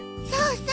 そう！